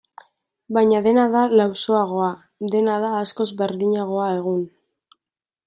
Baina dena da lausoagoa, dena da askoz berdinagoa egun.